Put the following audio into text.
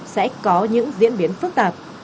sẽ có những diễn biến phức tạp